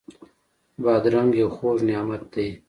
بادرنګ یو خوږ نعمت دی.